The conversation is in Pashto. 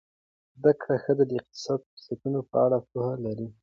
زده کړه ښځه د اقتصادي فرصتونو په اړه پوهه لري.